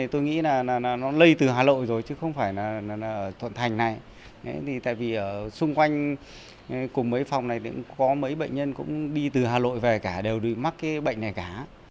tại vì ở xung quanh cùng mấy phòng này có mấy bệnh nhân cũng đi từ hà nội về cả đều được mắc cái bệnh này cả